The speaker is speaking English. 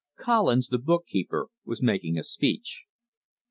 Collins, the bookkeeper, was making a speech.